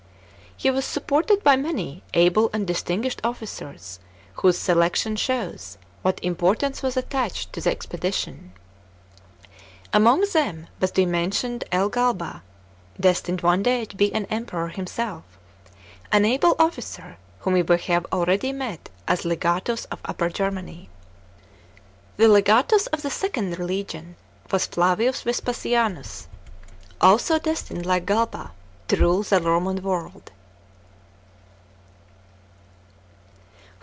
He was supported by many able and distinguished officers, whose selection shows what importance was attached to the expedition. Among them must be mentioned L. Galba — destined one day to be an Emperor himself — an able officer whom we have already met as legatus of Upper Germany. The legatus of the Hud legion was Flavius Vespasifinos, also destined like Galba, to rule the Roman world.